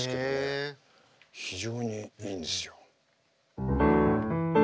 非常にいいんですよ。